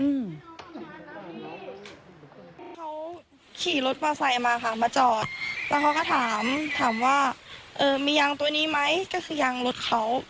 เขาขี่รถมอไซค์มาค่ะมาจอดแล้วเขาก็ถามถามว่ามียางตัวนี้ไหมก็คือยางรถเขา